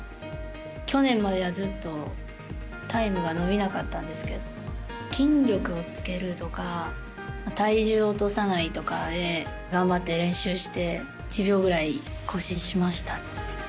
去年まではずっとタイムが伸びなかったんですけど筋力をつけるとか体重を落とさないとかで頑張って練習して１０秒ぐらい更新しました。